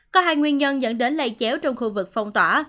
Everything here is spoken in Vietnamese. có hai nguyên nhân dẫn đến lây chéo trong khu vực phong tỏa